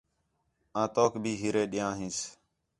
آں تَُوک بھی ہیرے ݙِیاں ہینس